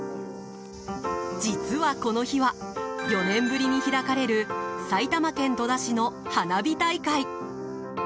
実は、この日は４年ぶりに開かれる埼玉県戸田市の花火大会。